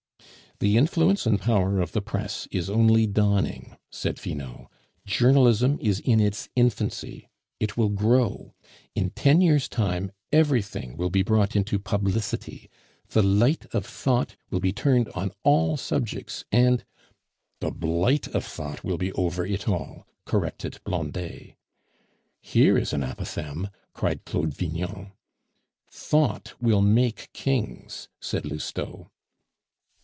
"The influence and power of the press is only dawning," said Finot. "Journalism is in its infancy; it will grow. In ten years' time, everything will be brought into publicity. The light of thought will be turned on all subjects, and " "The blight of thought will be over it all," corrected Blondet. "Here is an apothegm," cried Claude Vignon. "Thought will make kings," said Lousteau.